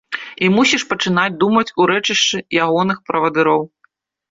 І мусіш пачынаць думаць у рэчышчы ягоных правадыроў.